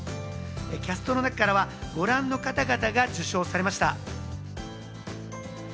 キャストの中からはご覧の方々が受賞されました。